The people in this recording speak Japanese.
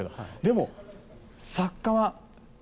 でも、作家は。